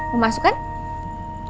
lo masuk kan